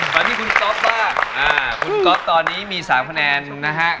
มาที่คุณก๊อฟบ้างคุณก๊อฟตอนนี้มี๓คะแนนนะฮะ